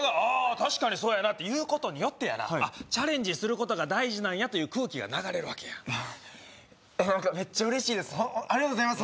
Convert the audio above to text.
確かにそうやなって言うことによってやなあっチャレンジすることが大事なんやという空気が流れるわけやなんかめっちゃうれしいですありがとうございます